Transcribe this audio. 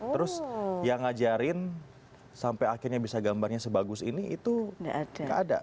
terus yang ngajarin sampai akhirnya bisa gambarnya sebagus ini itu gak ada